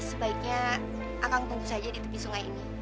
sampai ketemu lagi lagi minutes yang sama kita lagi scandal dekorasi